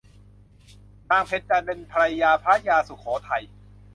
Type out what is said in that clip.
นางเพ็ญจันทร์เป็นภรรยาพระยาสุโขทัย